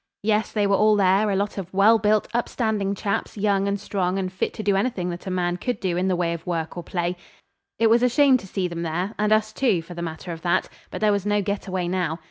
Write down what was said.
Yes, they were all there, a lot of well built, upstanding chaps, young and strong, and fit to do anything that a man could do in the way of work or play. It was a shame to see them there (and us too, for the matter of that), but there was no get away now.